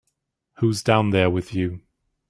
Who's down there with you?